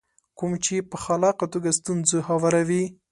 کوم چې په خلاقه توګه ستونزې هواروي.